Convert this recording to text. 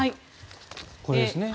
これですね。